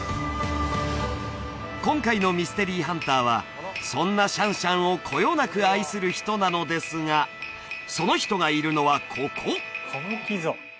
今回のミステリーハンターはそんなシャンシャンをこよなく愛する人なのですがその人がいるのはここ！